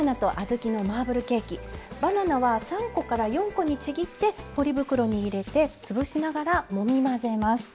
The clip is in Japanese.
バナナは３個から４個にちぎってポリ袋に入れてつぶしながらもみ混ぜます。